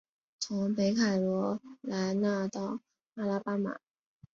从北卡罗来纳到阿拉巴马。